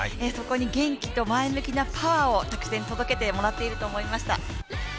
そこに元気と前向きなパワーをたくさん届けてもらっていると思いました。